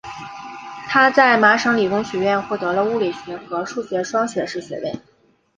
他在麻省理工学院获得了物理学和数学双学士学位。